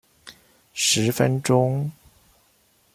十分鐘